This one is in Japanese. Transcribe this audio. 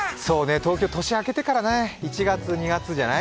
東京、年明けてからね、１月、２月じゃない？